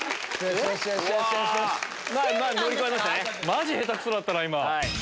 マジ下手くそだったな今。